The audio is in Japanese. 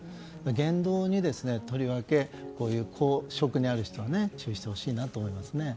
言動に、とりわけ公職にある人は注意してほしいなと思います。